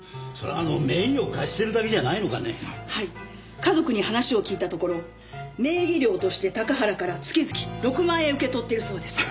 家族に話を聞いたところ名義料として高原から月々６万円受け取っているそうです。